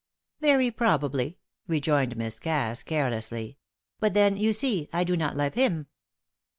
"Very probably," rejoined Miss Cass, carelessly. "But then, you see, I do not love him."